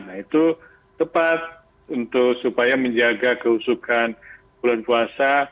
nah itu tepat untuk supaya menjaga keusukan bulan puasa